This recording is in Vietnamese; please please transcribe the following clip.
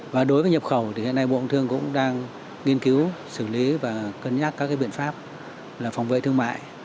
và đối với nhập khẩu thì hiện nay bộ công thương cũng đang nghiên cứu xử lý và cân nhắc các biện pháp là phòng vệ thương mại